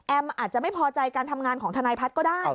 อาจจะไม่พอใจการทำงานของทนายพัฒน์ก็ได้